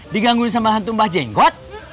digangguin sama hantu mba jengot